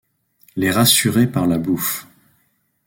Les rassurer par la bouffe.